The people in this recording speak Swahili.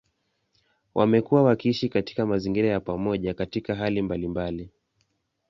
Wamekuwa wakiishi katika mazingira ya pamoja katika hali mbalimbali.